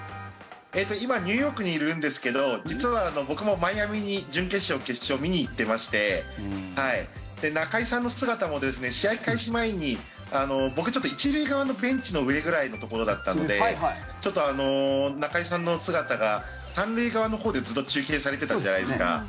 今ニューヨークにいるんですけど実は僕もマイアミに準決勝、決勝、見に行ってまして中居さんの姿も試合開始前に僕、１塁側のベンチの上くらいのところだったので中居さんの姿が３塁側のほうで、ずっと中継されてたじゃないですか。